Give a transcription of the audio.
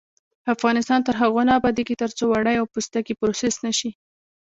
افغانستان تر هغو نه ابادیږي، ترڅو وړۍ او پوستکي پروسس نشي.